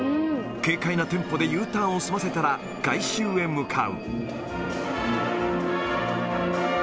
軽快なテンポでＵターンを済ませたら、外周へ向かう。